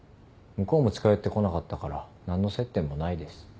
向こうも近寄ってこなかったから何の接点もないです。